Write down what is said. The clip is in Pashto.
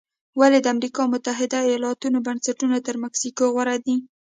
ولې د امریکا متحده ایالتونو بنسټونه تر مکسیکو غوره دي؟